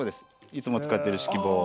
いつも使ってる指揮棒。